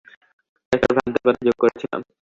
কয়েকটা ভ্রান্ত কথা যোগ করেছিলাম।